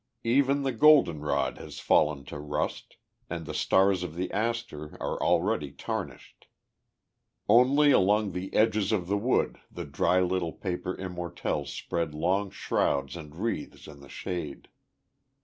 Even the goldenrod has fallen to rust, and the stars of the aster are already tarnished. Only along the edges of the wood the dry little paper immortelles spread long shrouds and wreaths in the shade.